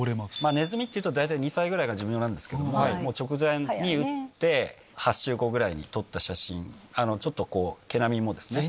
ネズミっていうと、大体、２歳ぐらいが寿命なんですけれども、もう直前に打って、８週後ぐらいに撮った写真、ちょっと毛並みもですね。